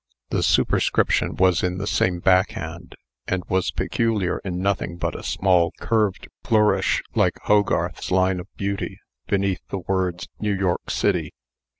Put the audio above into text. The superscription was in the same backhand, and was peculiar in nothing but a small curved nourish, like Hogarth's line of beauty, beneath the words, "New York. City."